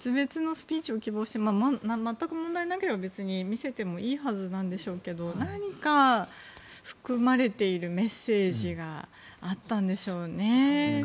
全く問題なければ別に見せてもいいはずでしょうが何か含まれているメッセージがあったんでしょうね。